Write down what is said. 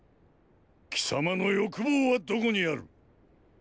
貴様の“欲望”はどこにある。！